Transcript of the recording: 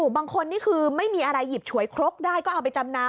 บางคนนี่คือไม่มีอะไรหยิบฉวยครกได้ก็เอาไปจำนำ